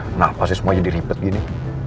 kenapa sih semua jadi ribet gini